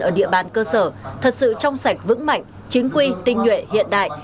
ở địa bàn cơ sở thật sự trong sạch vững mạnh chính quy tinh nhuệ hiện đại